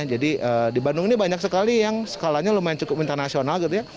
jadi di bandung ini banyak sekali yang skalanya lumayan cukup internasional gitu ya